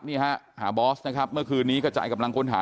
นี่ฮะหาบอสนะครับเมื่อคืนนี้กระจายกำลังค้นหา